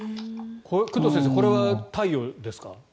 工藤先生これはどうですか？